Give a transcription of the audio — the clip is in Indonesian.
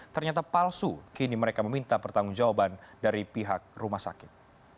ternyata palsu kini mereka meminta pertanggung jawaban dari pihak rumah sakit